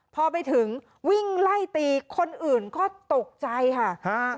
พอไปถึงวิ่งไล่ตีคนอื่นก็ตกใจค่ะฮะ